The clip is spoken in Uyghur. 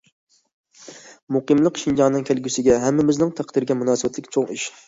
مۇقىملىق شىنجاڭنىڭ كەلگۈسىگە، ھەممىمىزنىڭ تەقدىرىگە مۇناسىۋەتلىك چوڭ ئىش.